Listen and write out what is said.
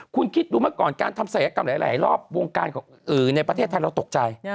คุณคิดดูเมื่อก่อนการทำศัยกรรมหลายรอบวงการในประเทศไทยเราตกใจ